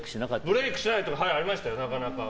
ブレークしてないっていうかありましたよ、なかなか。